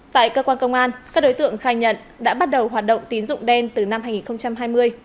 tại cơ quan công an các đối tượng khai nhận đã bắt đầu hoạt động tín dụng đen từ năm hai nghìn hai mươi